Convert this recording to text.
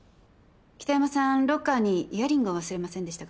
北山さんロッカーにイヤリングを忘れませんでしたか？